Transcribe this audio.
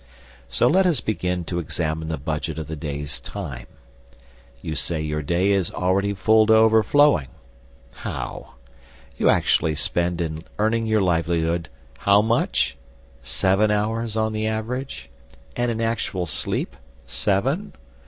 So let us begin to examine the budget of the day's time. You say your day is already full to overflowing. How? You actually spend in earning your livelihood how much? Seven hours, on the average? And in actual sleep, seven?